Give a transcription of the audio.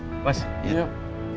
selamat malam pak